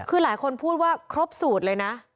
คือหลายคนพูดว่าครบสูตรเลยนะ